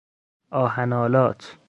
آهن آلات